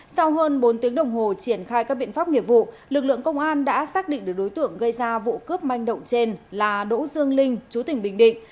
sau hơn bốn tiếng đồng hồ triển khai các biện pháp nghiệp vụ lực lượng công an đã xác định được đối tượng gây ra vụ cướp manh động trên là đỗ dương linh chú tỉnh bình định